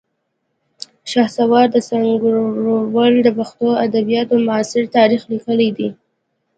شهسوار سنګروال د پښتو ادبیاتو معاصر تاریخ لیکلی دی